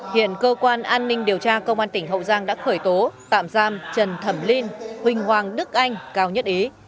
hiện cơ quan an ninh điều tra công an tỉnh hậu giang đã khởi tố tạm giam trần thẩm linh huỳnh hoàng đức anh cao nhất ý